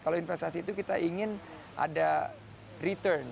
kalau investasi itu kita ingin ada return